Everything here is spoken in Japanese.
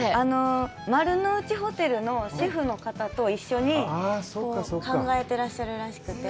丸ノ内ホテルのシェフの方と一緒に考えてらっしゃるらしくて。